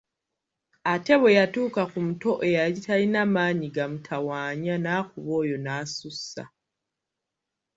Ate bwe yatuuka ku muto eyali talina maanyi gamutawaanya n’akuba oyo n’asussa.